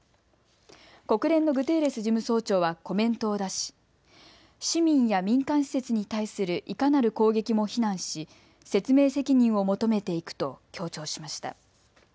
国連のグテーレス事務総長はコメントを出し市民や民間施設に対するいかなる攻撃も非難し説明責任を求めていくと強調しました。